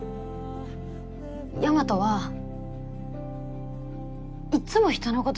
大和はいっつも人のこと